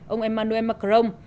ông emmanuel macron